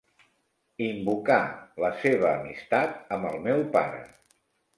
Invocà la seva amistat amb el meu pare.